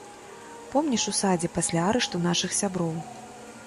Помніш у садзе пасля арышту нашых сяброў?